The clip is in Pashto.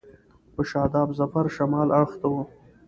په شاداب ظفر شمال اړخ ته و.